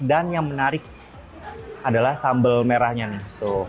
dan yang menarik adalah sambal merahnya nih